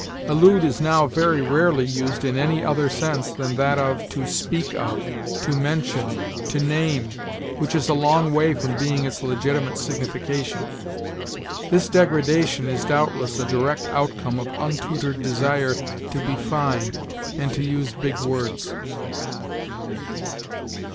Allude is now very rarely used in any other sense than that of to speak of, to mention, to name, which is a long way from being its legitimate signification. This degradation is doubtless a direct outcome of untutored desire to be fine and to use big words.